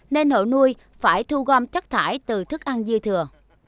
nên hộ nuôi phải thu gom chất thải từ thức ăn dư thừa